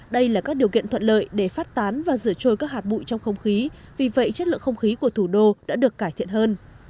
đây là các điều kiện thuận lợi để phát tán và rửa trôi các hạt bụi trong không khí vì vậy chất lượng không khí của thủ đô đã được cải thiện hơn